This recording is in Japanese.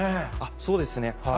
そうですね。